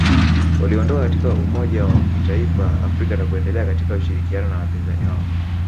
Waliondoka katika umoja wa kitaifa Afrika na kuendelea katika ushirikiano na wapinzani wao